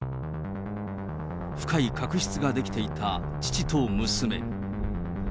深い確執が出来ていた父と娘。